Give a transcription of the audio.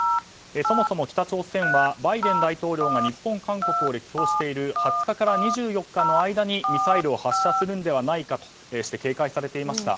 そもそも北朝鮮はバイデン大統領が日本、韓国を歴訪している２０日から２４日の間にミサイルを発射するのではないかとして警戒されていました。